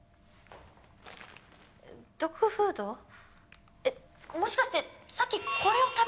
ドッグフード？えっもしかしてさっきこれを食べさせたんですか？